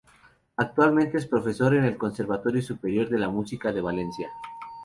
Actualmente es profesor en el Conservatorio Superior de Música de Valencia.